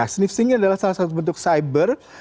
sniftingnya adalah salah satu bentuk cyber